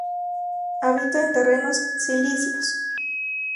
Habita en terrenos silíceos.